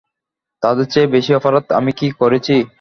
তাদের চেয়ে বেশি অপরাধ আমি কী করেছি?